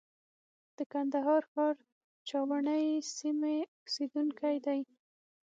د کندهار ښار چاوڼۍ سیمې اوسېدونکی دی.